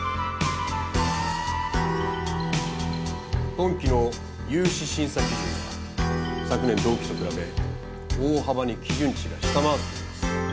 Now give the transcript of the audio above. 今期の融資審査基準は昨年同期と比べ大幅に基準値が下回っています。